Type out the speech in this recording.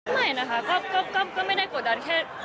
ไม่นะคะก็ไม่ได้กดดันแค่